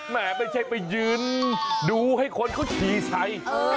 แม่ไม่ใช่ไปยืนดูให้คนก็ฉี่ใส